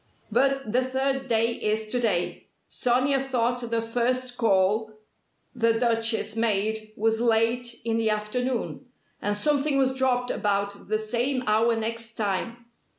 But the third day is to day. Sonia thought the first call the Duchess made was late in the afternoon, and something was dropped about the 'same hour next time'.